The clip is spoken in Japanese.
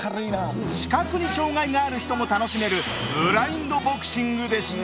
視覚に障害がある人も楽しめるブラインドボクシングでした。